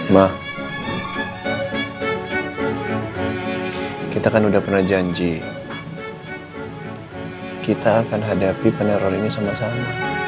mah kita kan udah pernah janji kita akan hadapi peneror ini sama sama